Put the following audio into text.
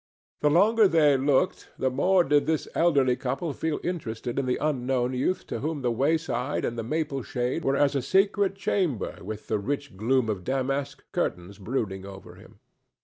The longer they looked, the more did this elderly couple feel interested in the unknown youth to whom the wayside and the maple shade were as a secret chamber with the rich gloom of damask curtains brooding over him.